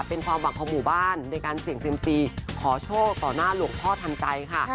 เป็นความหวังของหมู่บ้านในการเสี่ยงเซียมซีขอโชคต่อหน้าหลวงพ่อทันใจค่ะ